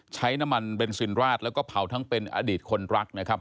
ใช้น้ำมันเบนซินราดแล้วก็เผาทั้งเป็นอดีตคนรักนะครับ